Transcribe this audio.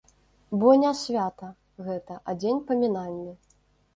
Бо не свята гэта, а дзень памінальны.